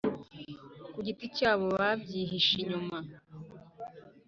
kugiti cyabo babyihishe inyuma